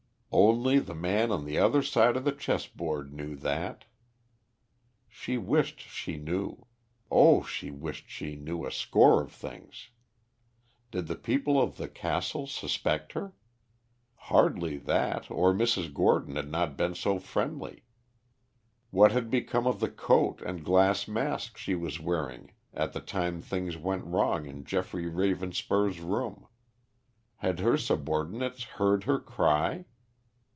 Only the man on the other side of the chess board knew that. She wished she knew; oh! she wished she knew a score of things. Did the people of the castle suspect her? Hardly that, or Mrs. Gordon had not been so friendly. What had become of the coat and glass mask she was wearing at the time things went wrong in Geoffrey Ravenspur's room? Had her subordinates heard her cry?